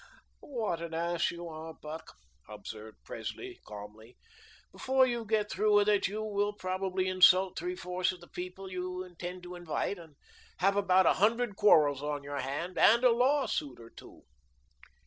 "Why, what an ass you are, Buck," observed Presley calmly. "Before you get through with it, you will probably insult three fourths of the people you intend to invite, and have about a hundred quarrels on your hands, and a lawsuit or two."